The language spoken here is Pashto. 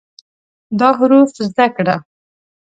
دا حروف زده کړه